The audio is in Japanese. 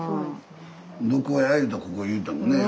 どこや言うたらここ言うたもんね。